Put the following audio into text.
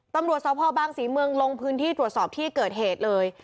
ตำรวจสพบางศรีเมืองลงพื้นที่ตรวจสอบที่เกิดเหตุเลย